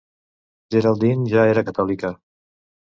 Geraldine ja era catòlica.